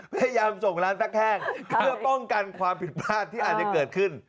พยายามส่งร้านตักแห้งเพื่อป้องกันความผิดพลาดที่อาจจะเกิดขึ้น